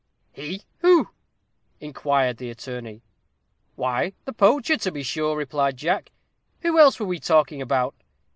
"He! who?" inquired the attorney. "Why, the poacher, to be sure," replied Jack; "who else were we talking about?"